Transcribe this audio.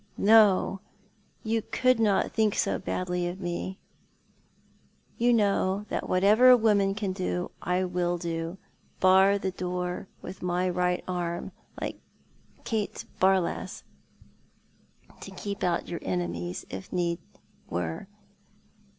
No, you could not think so badly of me. You know ^'Grudged I so much to die?" 145 that whatever a woman can do I will do — bar the door with my light arm, like Kate Barlass, to keej) out your enemies, it" need were."